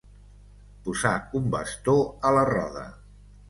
Posar un bastó a la roda